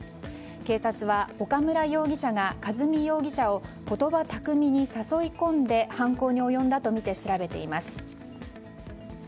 警察は岡村容疑者が和美容疑者を言葉巧みに誘い込んで犯行に及んだとみて調べています。